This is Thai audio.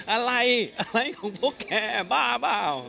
อะไรอะไรของพวกแกบ้าเปล่า